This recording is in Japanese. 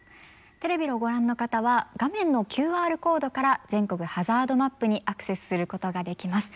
テレビをご覧の方は画面のＱＲコードから全国ハザードマップにアクセスすることができます。